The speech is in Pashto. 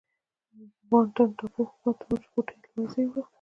بانتن ټاپو حکومت د مرچو بوټي له منځه یووړل.